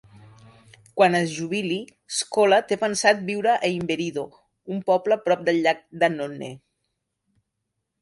Quan es jubili, Scola té pensat viure a Imberido, un poble prop del Llac d'Annone.